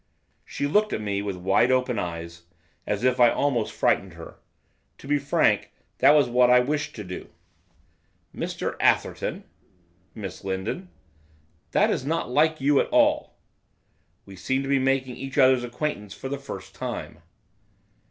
She looked at me, with wide open eyes, as if I almost frightened her. To be frank, that was what I wished to do. 'Mr Atherton!' 'Miss Lindon?' 'That is not like you at all.' 'We seem to be making each other's acquaintance for the first time.